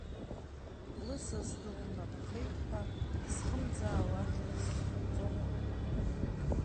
Лысас дылнаԥхеит ҳәа, исхымӡаауа ахьӡ схуҵома?